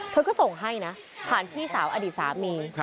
เธอก็ส่งให้นะผ่านพี่สาวอดีตสามี